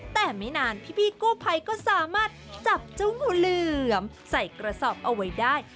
แต่ไม่นานพี่กู้ภัยก็สามารถจับเจ้างูเหลือมใส่กระสอบเอาไว้ได้